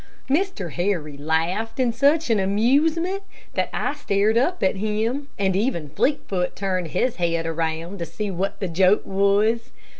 Mr. Harry laughed in such amusement that I stared up at him, and even Fleetfoot turned his head around to see what the joke was.